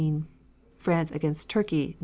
France against Turkey, Nov.